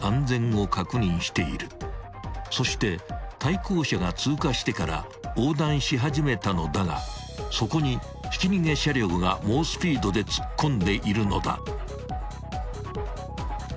［そして対向車が通過してから横断し始めたのだがそこにひき逃げ車両が猛スピードで突っ込んでいるのだ］